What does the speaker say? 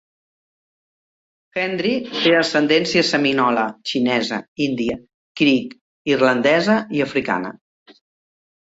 Hendry tè ascendència seminola, xinesa, índia criik, irlandesa i africana.